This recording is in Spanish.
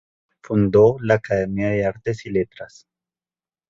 Fundó la Academia de Artes y Letras.